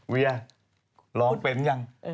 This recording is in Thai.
เวียร้องเป็นยัง